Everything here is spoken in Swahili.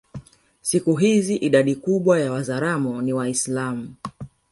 Siku hizi idadi kubwa wa Wazaramo ni Waislamu